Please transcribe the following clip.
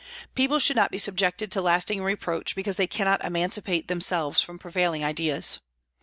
People should not be subjected to lasting reproach because they cannot emancipate themselves from prevailing ideas.